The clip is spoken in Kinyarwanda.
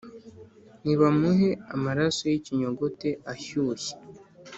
“Nibamuhe amaraso y’ikinyogote ashyushye